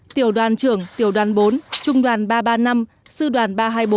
tiểu đoàn trưởng tiểu đoàn bốn trung đoàn ba trăm ba mươi năm sư đoàn ba trăm hai mươi bốn